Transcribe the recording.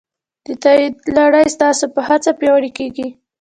د تایید لړۍ ستاسو په هڅه پیاوړې کېږي.